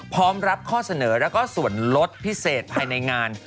พร้อมรับข้อเสนอแล้วก็ส่วนลดพิเศษภายในงาน